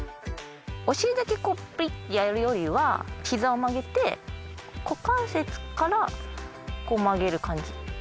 お尻だけこうプリッてやるよりは膝を曲げて股関節からこう曲げる感じ。